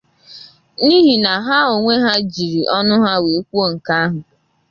n'ihi na ha onwe ha jiri ọnụ ha wee kwuo nke ahụ